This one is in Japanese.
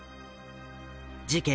事件